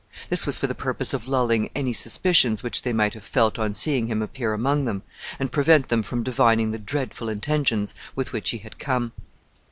This was for the purpose of lulling any suspicions which they might have felt on seeing him appear among them, and prevent them from divining the dreadful intentions with which he had come.